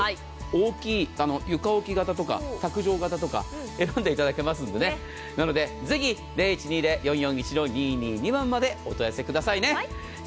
大きい床置き型とか卓上型とか選んでいただけますのでぜひ０１２０‐４４１‐２２２番までお問い合わせくださいね。